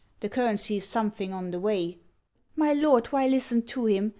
the kern sees something on the way.' ' My lord, why listen to him